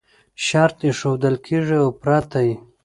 شرط ایښودل کېږي او پرته یې